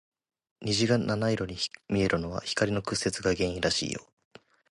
虹が七色に見えるのは、光の屈折が原因らしいよ。